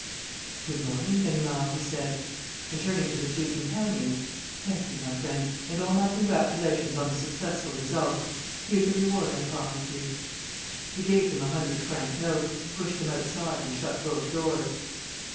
"Good morning, Ganimard," he said. And turning to the two companions, "Thank you, my friends, and all my congratulations on the successful result. Here's the reward I promised you." He gave them a hundred franc note, pushed them outside and shut both doors.